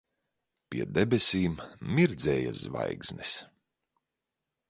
Pie debesīm mirdzēja zvaigznes.